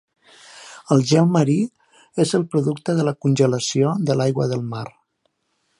El gel marí és el producte de la congelació de l'aigua del mar.